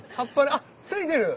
あっついてる。